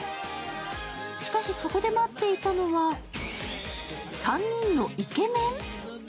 しかし、そこで待っていたのは、３人のイケメン？